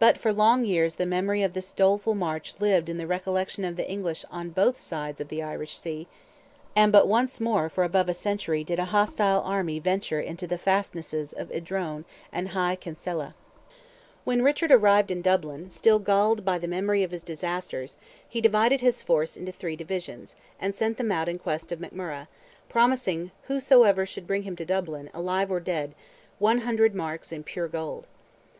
But for long years the memory of this doleful march lived in the recollection of the English on both sides the Irish sea, and but once more for above a century did a hostile army venture into the fastnesses of Idrone and Hy Kinsellah. When Richard arrived in Dublin, still galled by the memory of his disasters, he divided his force into three divisions, and sent them out in quest of McMurrogh, promising to whosoever should bring him to Dublin, alive or dead, "100 marks, in pure gold."